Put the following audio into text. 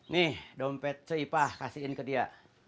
nih dompet seipah kasihin ke dia